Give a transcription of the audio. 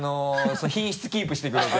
品質キープしてくれて。